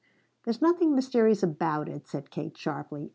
"There's nothing mysterious about it," said Kate sharply.